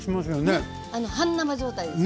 半生状態です。